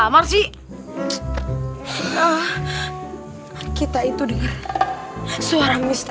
pasti ini kelincinya hanya asli